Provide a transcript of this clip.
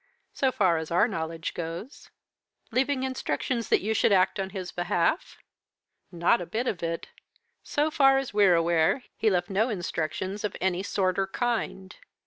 "'So far as our knowledge goes.' "'Leaving instructions that you should act on his behalf?' "'Not a bit of it. So far as we're aware, he left no instructions of any sort or kind.